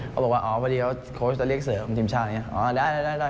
ก็ก็บอกว่าอ๋อพอดีเขาจะเรียกเสริมทีมชาติคือด้านไหน